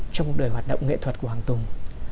trong đời hoạt động nghệ thuật của hoàng tùng